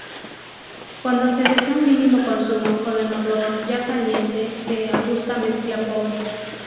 Cuando se desea mínimo consumo, con el motor ya caliente, se ajusta mezcla pobre.